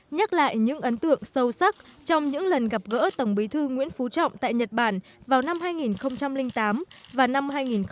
nhắc lại những ấn tượng sâu sắc trong những lần gặp gỡ tổng bí thư nguyễn phú trọng tại nhật bản vào năm hai nghìn tám và năm hai nghìn một mươi